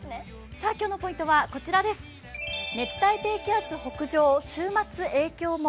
今日のポイントはこちら、熱帯低気圧北上、週末影響も。